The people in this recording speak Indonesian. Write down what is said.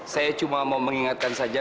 saya cuma mau mengingatkan saja